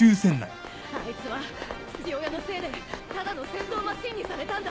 あいつは父親のせいでただの戦闘マシンにされたんだ。